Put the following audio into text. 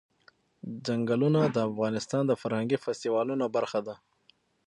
چنګلونه د افغانستان د فرهنګي فستیوالونو برخه ده.